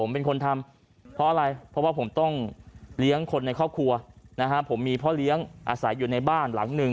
เพราะว่าผมต้องเลี้ยงคนในครอบครัวผมมีเพราะเลี้ยงอาศัยอยู่ในบ้านหลังหนึ่ง